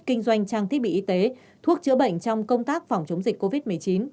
kinh doanh trang thiết bị y tế thuốc chữa bệnh trong công tác phòng chống dịch covid một mươi chín